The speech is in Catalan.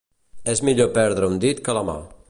És millor perdre un dit que la mà.